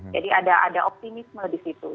jadi ada optimisme di situ